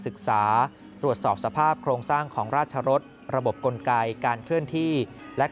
ศึกษาตรวจสอบสภาพโครงสร้างของราชรสระบบกลไกการเคลื่อนที่และ